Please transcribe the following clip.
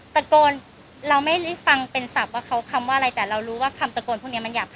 ตะโกนเราไม่ได้ฟังเป็นศัพท์ว่าเขาคำว่าอะไรแต่เรารู้ว่าคำตะโกนพวกนี้มันหยาบคา